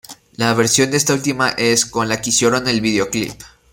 La versión de esta última es con la que hicieron el videoclip.